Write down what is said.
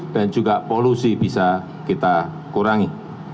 juga polusi bisa kita kurangi